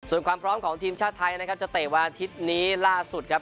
ส่วนความพร้อมของทีมชาติไทยนะครับจะเตะวันอาทิตย์นี้ล่าสุดครับ